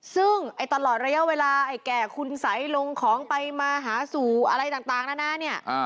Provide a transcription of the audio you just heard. ซึ่งตลอดระยะเวลาไอ้แก่คุณสัยลงของไปมาหาสู่อะไรต่างนานาเนี่ย